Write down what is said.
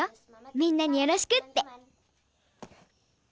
みんなによろしくって。